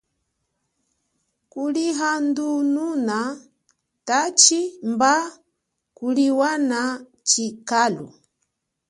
Kulihandununa tshashi mba kuliwana tshikalu.